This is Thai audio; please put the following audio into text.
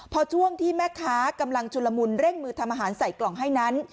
พอช่วงที่แม่ค้ากำลังชุลมุนเร่งมือทำอาหารใส่กล่องให้นั้น